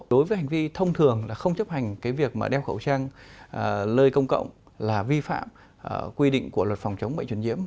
đối với hành vi thông thường là không chấp hành cái việc mà đeo khẩu trang nơi công cộng là vi phạm quy định của luật phòng chống bệnh truyền nhiễm